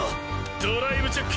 ドライブチェック！